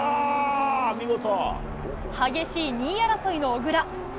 激しい２位争いの小椋。